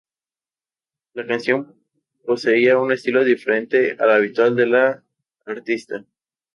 La canción poseía un estilo diferente al habitual de la artista.